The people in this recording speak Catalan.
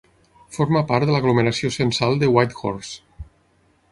Forma part de l'aglomeració censal de Whitehorse.